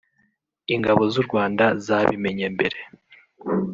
ingabo z’u Rwanda zabimenye mbere